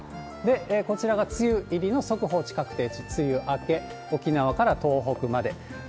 こちらが梅雨入りの速報値、確定値、梅雨明け、沖縄から東北です。